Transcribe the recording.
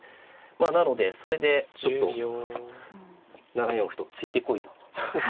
なのでそれでちょっと７四歩と突いてこいと。